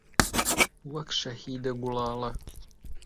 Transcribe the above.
وەک شەهیدە گوڵاڵە